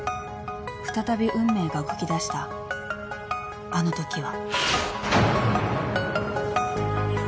再び運命が動きだしたあのときは］